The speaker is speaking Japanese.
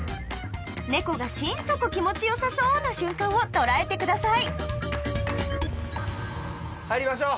猫が心底気持ち良さそうな瞬間をとらえてください入りましょう。